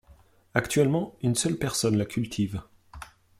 Actuellement une seule personne la cultive.